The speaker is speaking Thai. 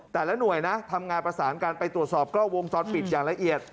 แต่ละหน่วยนะทำงานประสานกันไปตรวจสอบกล้องวงจรปิดอย่างละเอียด